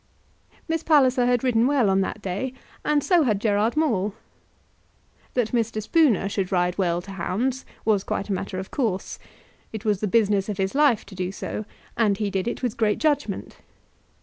Miss Palliser had ridden well on that day, and so had Gerard Maule. That Mr. Spooner should ride well to hounds was quite a matter of course. It was the business of his life to do so, and he did it with great judgment.